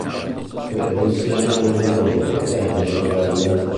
Crebbe insieme a numerosi fratelli e sorelle.